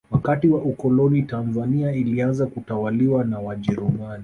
wakati wa ukoloni tanzania ilianza kutawaliwa na wajerumani